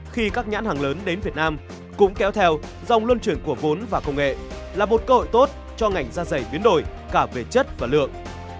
khi các nhãn hàng lớn đến việt nam cũng kéo theo dòng luân chuyển của vốn và công nghệ là một cơ hội tốt cho ngành da giày biến đổi cả về chất và lượng